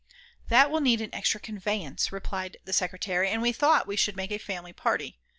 "That will need an extra conveyance," replied the secretary, and we thought we should make a family party.